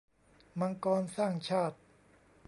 มังกรสร้างชาติ